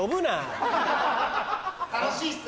楽しいっす。